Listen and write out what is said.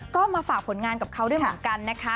ก็มาฝากผลงานกับเขาด้วยเหมือนกันนะคะ